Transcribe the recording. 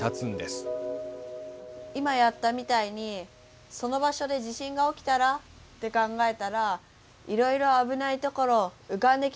今やったみたいにその場所で地震が起きたらって考えたらいろいろ危ない所浮かんできました！